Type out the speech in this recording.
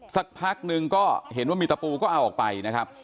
สักพักนึงก็เห็นว่ามีตะปูก็เอาออกไปนะครับ